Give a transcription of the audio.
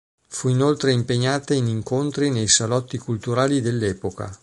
Fu inoltre impegnata in incontri nei salotti culturali dell'epoca.